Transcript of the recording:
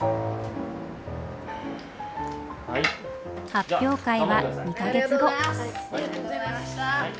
発表会は２か月後。